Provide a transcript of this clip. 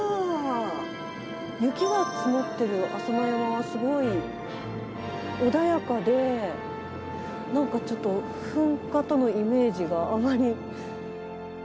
雪が積もってる浅間山はすごい穏やかで何かちょっと噴火とのイメージがあまり。